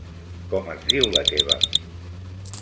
Com es diu la teva??